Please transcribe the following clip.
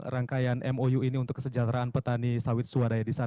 rangkaian mou ini untuk kesejahteraan petani sawit suara